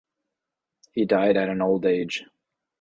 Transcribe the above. He died at an old age.